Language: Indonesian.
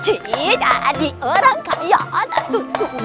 ini jadi orang kaya satu tulang